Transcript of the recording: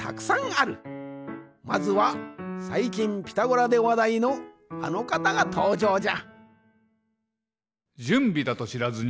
まずはさいきん「ピタゴラ」でわだいのあのかたがとうじょうじゃ。